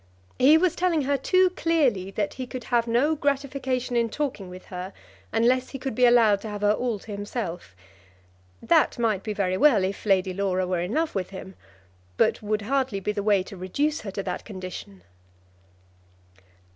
He was telling her too clearly that he could have no gratification in talking with her unless he could be allowed to have her all to himself. That might be very well if Lady Laura were in love with him, but would hardly be the way to reduce her to that condition.